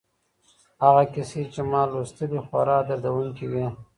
هغه کیسې چي ما لوستلې خورا دردونکي وې.